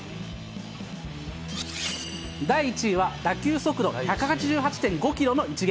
第１位は打球速度１８８．５キロの一撃。